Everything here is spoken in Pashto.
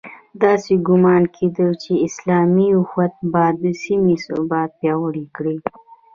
داسې ګومان کېده چې اسلامي اُخوت به د سیمې ثبات پیاوړی کړي.